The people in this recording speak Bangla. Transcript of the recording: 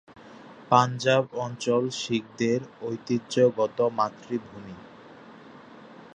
পাঞ্জাব অঞ্চল শিখদের ঐতিহ্যগত মাতৃভূমি।